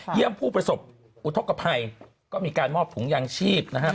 เยี่ยมผู้ประสบอุทธกภัยก็มีการมอบถุงยางชีพนะฮะ